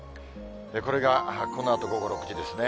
これが、このあと午後６時ですね。